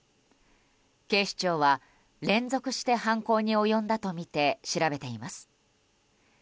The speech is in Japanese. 警視庁は連続して犯行に及んだとみて調べています。